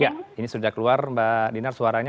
ya ini sudah keluar mbak dinar suaranya